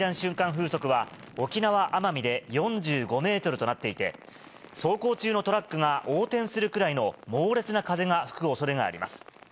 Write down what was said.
風速は沖縄・奄美で４５メートルとなっていて、走行中のトラックが横転するくらいの猛烈な風が吹くおそれがあります。